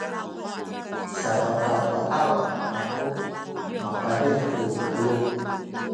sakakapahaw kaku a makaazih tu bayu’.